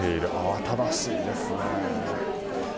慌しいですね！